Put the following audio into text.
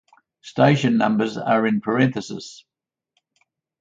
Station numbers are in parentheses.